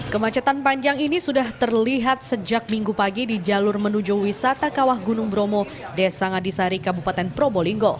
kemacetan panjang ini sudah terlihat sejak minggu pagi di jalur menuju wisata kawah gunung bromo desa ngadisari kabupaten probolinggo